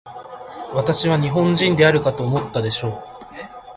私は日本人であるかと思ったでしょう。